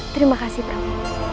terima kasih prabu